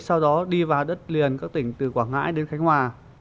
sau đó đi vào đất liền các tỉnh từ quảng ngãi đến khánh hòa